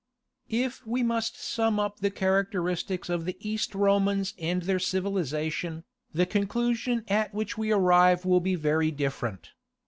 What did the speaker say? _) If we must sum up the characteristics of the East Romans and their civilization, the conclusion at which we arrive will be very different.